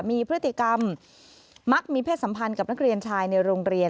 มีพฤติกรรมมักมีเพศสัมพันธ์กับนักเรียนชายในโรงเรียน